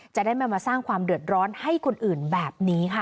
จะได้ไม่มาสร้างความเดือดร้อนให้คนอื่นแบบนี้ค่ะ